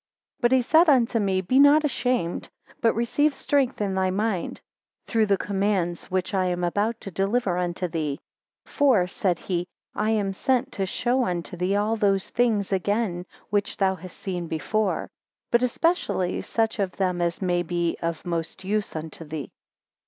5 But he said unto me, Be not ashamed, but receive strength in thy mind, through the commands which I am about to deliver unto thee. For, said he, I am sent to show unto thee all those things again, which thou hast seen before, but especially such of them as may be of most use unto thee.